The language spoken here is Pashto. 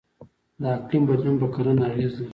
د اقلیم بدلون په کرنه اغیز لري.